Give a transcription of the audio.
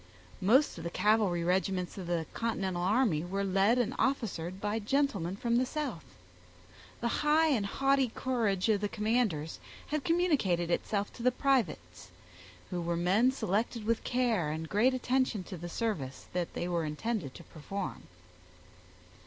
Most of the cavalry regiments of the continental army were led and officered by gentlemen from the South. The high and haughty courage of the commanders had communicated itself to the privates, who were men selected with care and great attention to the service they were intended to perform.